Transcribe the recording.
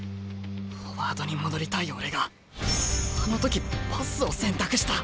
フォワードに戻りたい俺があの時パスを選択した。